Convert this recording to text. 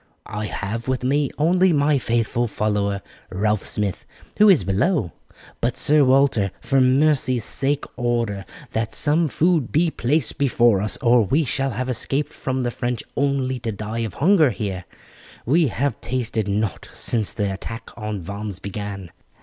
"I have with me only my faithful follower Ralph Smith, who is below; but, Sir Walter, for mercy's sake order that some food be placed before us, or we shall have escaped from the French only to die of hunger here. We have tasted nought since the attack on Vannes began.